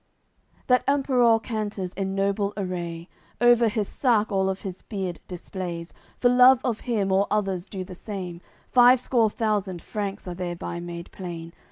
CCXXVII That Emperour canters in noble array, Over his sark all of his beard displays; For love of him, all others do the same, Five score thousand Franks are thereby made plain.